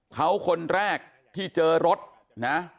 เขาคนแรกที่เจอรถนะ